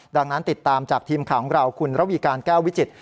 ดังนั้นติดตามจากทีมข่าวของเราคุณระวีการแก้ววิจิตร